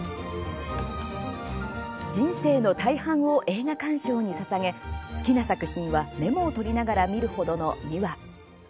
人生の大半を映画鑑賞にささげ好きな作品はメモを取りながら見る程のミワ。